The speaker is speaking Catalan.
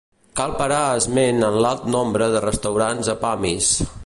Cal parar esment en l'alt nombre de restaurants a Pamis.